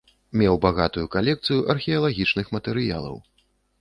Меў багатую калекцыю археалагічных матэрыялаў.